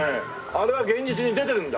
あれは現実に出てるんだ。